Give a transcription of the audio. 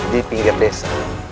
di pinggir desa